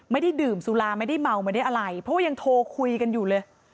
ไม่ได้ดื่มสุราไม่ได้เมาไม่ได้อะไรเพราะว่ายังโทรคุยกันอยู่เลย